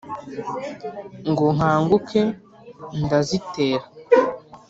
ngo nkanguke ndazitera,